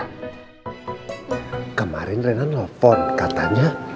pada kemarin reyna telepon katanya